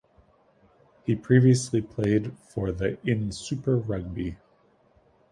He previously played for the in Super Rugby.